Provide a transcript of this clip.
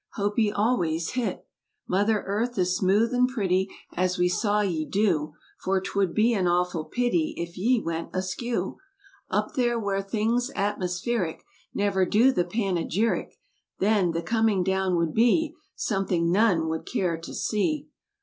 Hope ye always hit Mother Earth as smooth and pretty As we saw ye do; For 'twould be an awful pity If ye went askew Up there where things atmospheric Never do the panegyric. Then, the coming down would be Something none would care to see.